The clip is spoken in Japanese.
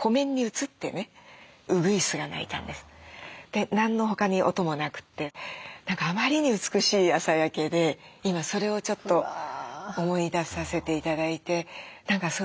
で何の他に音もなくてあまりに美しい朝焼けで今それをちょっと思い出させて頂いて何かすごい心落ち着きました。